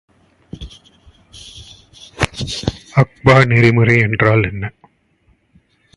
ஆஃபா நெறிமுறை என்றால் என்ன?